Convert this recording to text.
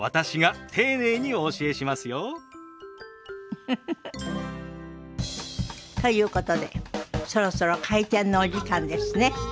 ウフフフ。ということでそろそろ開店のお時間ですね。